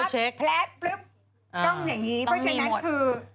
ต้องอย่างนี้เพราะฉะนั้นคือต้องมีหมด